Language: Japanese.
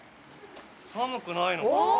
寒くないのかも。